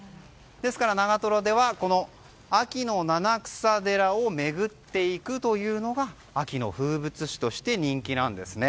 ですから長瀞では秋の七草寺を巡っていくというのが秋の風物詩として人気なんです。